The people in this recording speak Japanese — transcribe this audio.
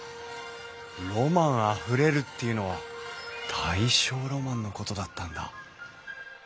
ロマンあふれるっていうのは大正ロマンのことだったんだ。